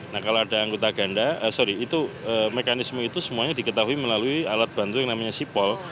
nah kalau ada anggota ganda sorry itu mekanisme itu semuanya diketahui melalui alat bantu yang namanya sipol